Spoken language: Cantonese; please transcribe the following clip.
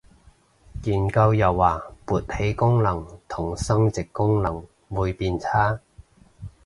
研究又話勃起功能同生殖能力會變差